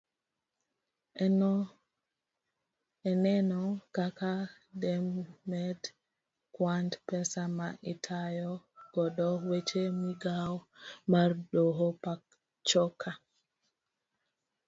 Eneno kaka demed kwand pesa ma itayo godo weche migao mar doho pachoka